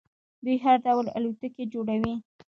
دوی هر ډول الوتکې جوړوي.